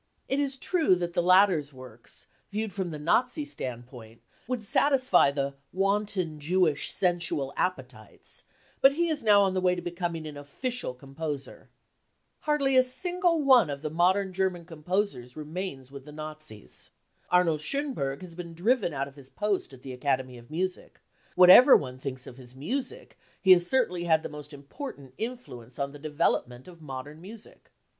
It is true that the latter's works, viewed from the Nazi standpoint, would satisfy the " wanton Jewish sensual appetites 93 ; but he is now on the way to becoming an official composer. Hardly a single one of the modern German composers remains with the Nazis. Arnold Schonberg has been driven out of his post at the Academy of Music ; whatever one «»w£hinks of his music, he has certainly had the most important influence on the development of modern music.